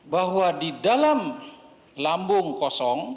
bahwa di dalam lambung kosong